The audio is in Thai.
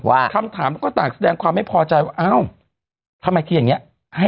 คำถามก็ต่างแสดงความไม่พอใจว่าอ้าวทำไมคืออย่างนี้ให้